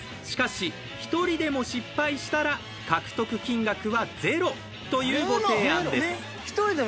しかし１人でも失敗したら獲得金額はゼロというご提案です。